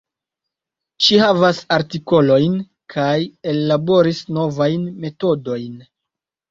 Ŝi havas artikolojn, kaj ellaboris novajn metodojn.